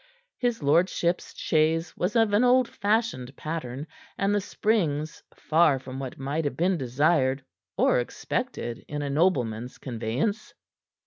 His lordship's chaise was of an old fashioned pattern, and the springs far from what might have been desired or expected in a nobleman's conveyance.